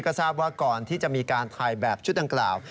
ก็ทราบว่าก่อนที่จะมีการถ่ายแบบชุดดังกล่าว